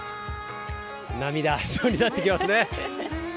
涙、出そうになってきますね。